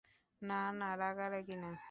না না, রাগারাগি না!